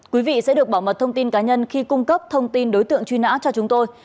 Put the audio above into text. quý vị sẽ được bảo mật thông tin cá nhân khi cung cấp thông tin đối tượng truy nã cho chúng tôi